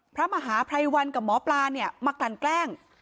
พระมหาภัยวันกับหมอปลาเนี่ยมากลั่นแกล้ง